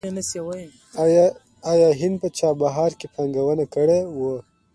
آیا هند په چابهار کې پانګونه کړې؟